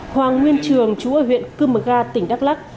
hoàng nguyên trường chú ở huyện cư mờ ga tỉnh đắk lắc